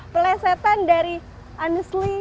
pelesetan dari anesli